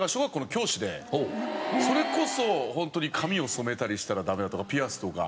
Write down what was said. それこそホントに髪を染めたりしたらダメだとかピアスとか。